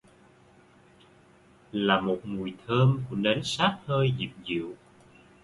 Là một mùi thơm của nến sáp hơi Dịu Dịu